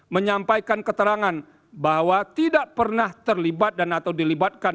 menyampaikan keterangan bahwa tidak pernah terlibat dan atau dilibatkan